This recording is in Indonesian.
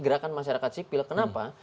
gerakan masyarakat sipil kenapa